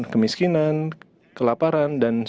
kemiskinan kelaparan dan